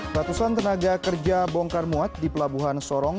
ratusan tenaga kerja bongkar muat di pelabuhan sorong